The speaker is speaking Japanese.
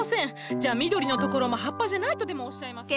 じゃあ緑のところも葉っぱじゃないとでもおっしゃいますの？